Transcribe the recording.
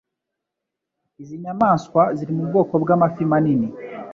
Izi nyamaswa ziri mu bwoko bw'amafi manini;